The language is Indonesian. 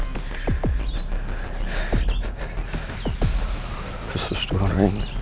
aku harus cepat cepat ngurus keberangkatannya